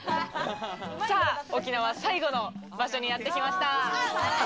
沖縄最後の場所にやってきました。